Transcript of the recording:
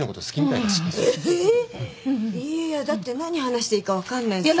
だって何話していいか分かんないし。